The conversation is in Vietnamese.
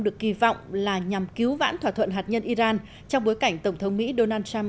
được kỳ vọng là nhằm cứu vãn thỏa thuận hạt nhân iran trong bối cảnh tổng thống mỹ donald trump